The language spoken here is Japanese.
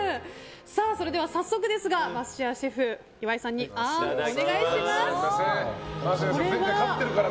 それでは早速ですが桝谷シェフ、岩井さんにあーん、お願いします。